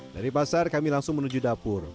dari pasar kami langsung menuju dapur